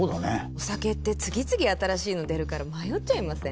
お酒って次々新しいの出るから迷っちゃいません？